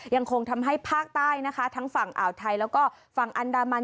ยังคงทำให้ภาคใต้นะคะทั้งฝั่งอ่าวไทยแล้วก็ฝั่งอันดามัน